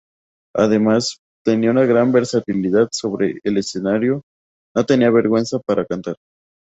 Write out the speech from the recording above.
Además, tenía una gran versatilidad sobre el escenario, no tenía vergüenza para cantar".